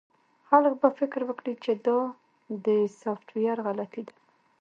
خلک به فکر وکړي چې دا د سافټویر غلطي ده